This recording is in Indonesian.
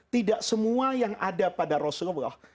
tidak semua yang ada pada rasulullah